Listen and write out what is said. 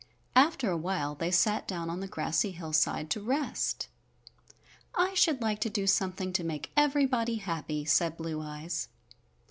After a while they sat down on the grassy hillside to rest. "I should like to do something to make everybody happy," said Blue Eyes.